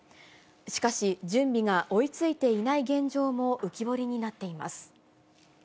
しかし、準備が追いついていない現状も浮き彫りになっています。